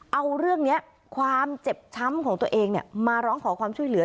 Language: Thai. เอาเรื่องนี้ความเจ็บช้ำของตัวเองมาร้องขอความช่วยเหลือ